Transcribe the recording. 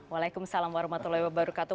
waalaikumsalam warahmatullahi wabarakatuh